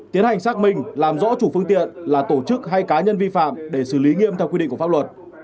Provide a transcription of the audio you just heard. tiến hành xác minh làm rõ chủ phương tiện là tổ chức hay cá nhân vi phạm để xử lý nghiêm theo quy định của pháp luật